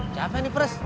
siapa ini peres